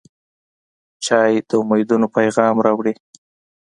چای د امیدونو پیغام راوړي.